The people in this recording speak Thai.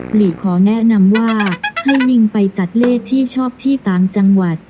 หลีขอแนะนำว่าให้นิงไปจัดเลขที่ชอบที่ต่างจังหวัด